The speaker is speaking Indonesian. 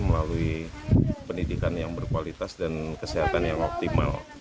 melalui pendidikan yang berkualitas dan kesehatan yang optimal